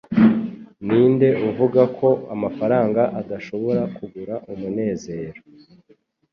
Ninde uvuga ko amafaranga adashobora kugura umunezero